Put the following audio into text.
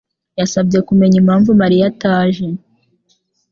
yasabye kumenya impamvu Mariya ataje.